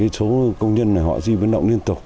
hôm nay thì đối với số công nhân này họ di biến động liên tục